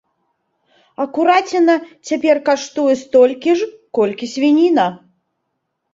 А кураціна цяпер каштуе столькі ж, колькі свініна.